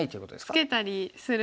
ツケたりする。